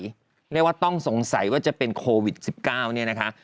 เรียกว่าต้องสงสัยว่าจะเป็นโควิด๑๙เนี่ยนะคะ